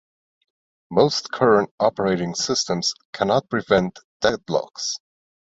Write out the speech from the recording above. Most current operating systems cannot prevent deadlocks.